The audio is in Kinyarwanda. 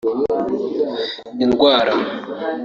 indwara